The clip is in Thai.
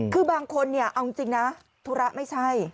คือบางคนเนี่ยเอาจริงนะธุระไม่ใช่